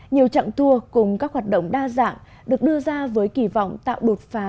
nhiều trạng tour cùng các hoạt động đa dạng được đưa ra với kỳ vọng tạo đột phá